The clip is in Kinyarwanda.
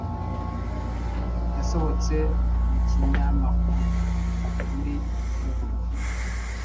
yasohotse mu kinyamakuru muri Werurwe